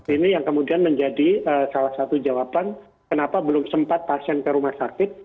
ini yang kemudian menjadi salah satu jawaban kenapa belum sempat pasien ke rumah sakit